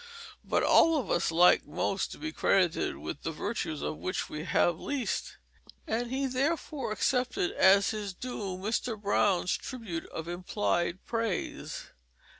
But all of us like most to be credited with the virtues of which we have least, and he therefore accepted as his due Mr. Brown's tribute of implied praise.